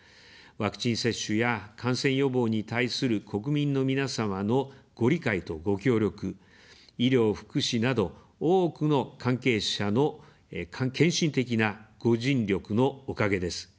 ワクチン接種や感染予防に対する国民の皆様のご理解とご協力、医療・福祉など、多くの関係者の献身的なご尽力のおかげです。